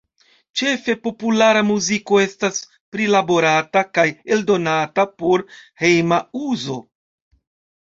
Ĉefe populara muziko estas prilaborata kaj eldonata por hejma uzo.